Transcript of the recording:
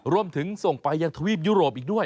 รวมถึงส่งไปยังทวีปยุโรปอีกด้วย